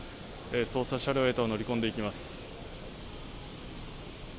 捜査車両へと乗り込んでいきます。